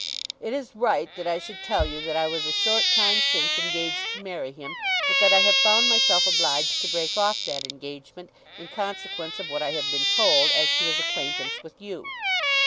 It is right that I should tell you that I was a short time since engaged to marry him, but that I have found myself obliged to break off that engagement in consequence of what I have been told as to his acquaintance with you.